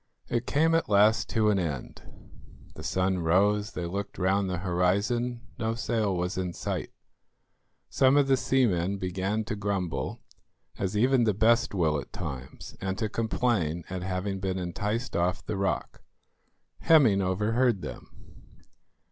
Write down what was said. It came at last to an end. The sun rose; they looked round the horizon; no sail was in sight. Some of the seamen began to grumble, as even the best will at times, and to complain at having been enticed off the rock. Hemming overheard them.